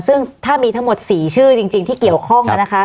ซึ่งถ้ามีทั้งหมดสี่ชื่อจริงที่เกี่ยวข้องกันนะคะ